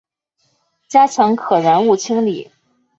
加强可燃物清理